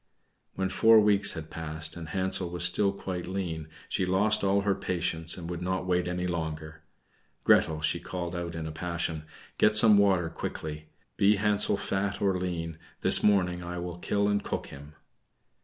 When four weeks had passed, and Hansel was still quite lean, she lost all her patience, and would not wait any longer. "Gretel," she called out in a passion, "get some water quickly; be Hansel fat or lean, this morning I will kill and cook him."